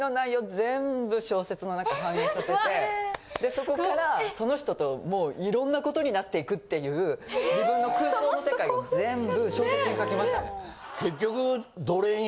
全部小説の中反映させてそこからその人といろんなことになっていくっていう自分の空想の世界を全部小説に書きましたね。